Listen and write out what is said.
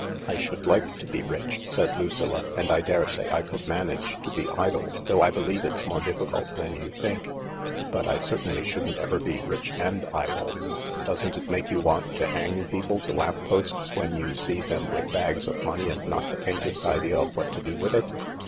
" I should like to be rich," said Lucilla, "and I daresay I could manage to be idle, though I believe it's more difficult than you'd think j but I certainly shouldn't ever be rich and idle. Doesn't it make you want to hang people to lamp posts when you see them with bags of money and not the faintest idea what to do with it